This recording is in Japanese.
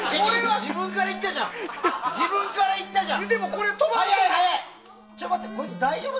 自分から行ったじゃん！